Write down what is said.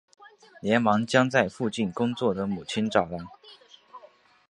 连忙将在附近工作的母亲找来